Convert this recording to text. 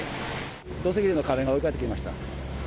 土石流の壁が追いかけてきました。